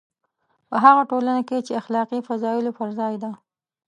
په هغه ټولنه کې چې اخلاقي فضایلو پر ځای ده.